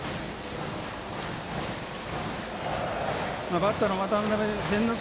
バッターの渡邉千之亮